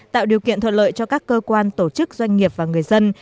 tạo điều kiện thuận lợi cho các cơ quan tổ chức doanh nghiệp và người dân